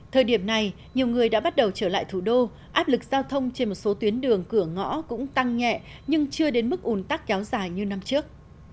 thời điểm này nhiều người đã bắt đầu trở lại thủ đô áp lực giao thông trên một số tuyến đường cửa ngõ cũng tăng nhẹ nhưng chưa đến mức ủn tắc kéo dài như năm trước